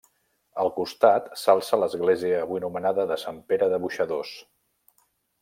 Al costat, s'alça l'església avui anomenada de Sant Pere de Boixadors.